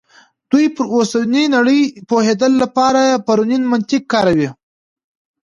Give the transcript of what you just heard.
دوی پر اوسنۍ نړۍ پوهېدو لپاره پرونی منطق کاروي.